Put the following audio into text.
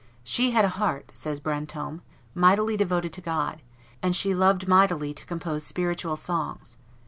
"She had a heart," says Brantome, "mighty devoted to God, and she loved mightily to compose spiritual songs.